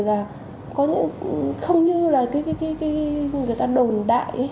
là không như là người ta đồn đại